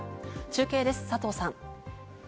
中継です、佐藤さん。